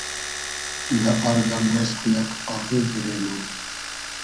دۂ آر دئمرئس خو یئگ آغیل دیرې مۉ